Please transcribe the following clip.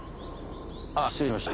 ああ失礼しました。